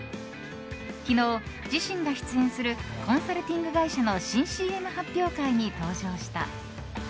昨日、自身が出演するコンサルティング会社の新ＣＭ発表会に登場した。